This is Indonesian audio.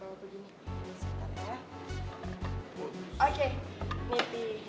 kalau begini ini sebentar ya